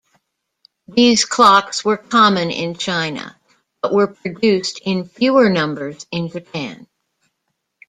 These clocks were common in China, but were produced in fewer numbers in Japan.